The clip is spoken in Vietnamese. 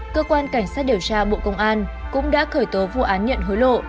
cơ quan cảnh sát điều tra bộ công an cũng đã khởi tố vụ án nhận hối lộ